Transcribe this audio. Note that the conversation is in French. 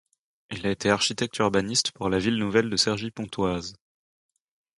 Il a été architecte-urbaniste pour la ville nouvelle de Cergy-Pontoise.